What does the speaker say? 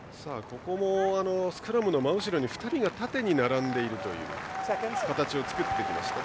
ここもスクラムの真後ろに２人が縦に並んでいるという形を作ってきました。